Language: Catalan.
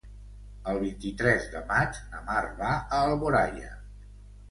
El vint-i-tres de maig na Mar va a Alboraia.